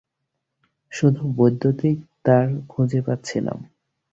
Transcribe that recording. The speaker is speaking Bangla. শুধু বৈদ্যুতিক তার খুঁজে পাচ্ছিলাম।